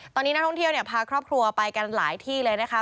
ตอนนี้นักท่องเที่ยวเนี่ยพาครอบครัวไปกันหลายที่เลยนะคะ